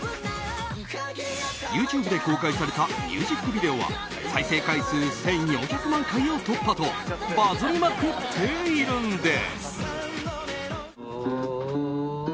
ＹｏｕＴｕｂｅで公開されたミュージックビデオは再生回数１４００万回を突破とバズりまくっているんです。